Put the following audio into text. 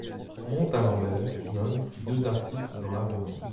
Montalembert, jeune, fit deux articles dans l’Avenir.